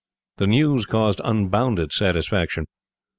The news caused unbounded satisfaction.